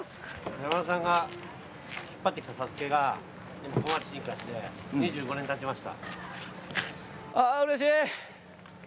山田さんが引っ張ってきたＳＡＳＵＫＥがここまで進化して２５年たちました。